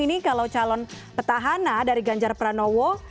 ini kalau calon petahana dari ganjar pranowo